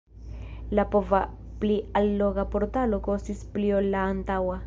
La nova pli alloga portalo kostis pli ol la antaŭa.